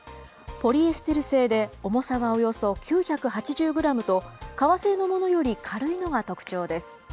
ポリエステル製で重さはおよそ９８０グラムと、革製のものより軽いのが特長です。